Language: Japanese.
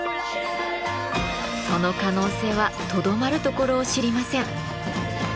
その可能性はとどまるところを知りません。